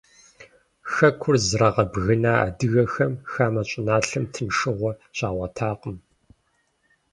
Хэкур зрагъэбгына адыгэхэм хамэ щӀыналъэм тыншыгъуэ щагъуэтакъым.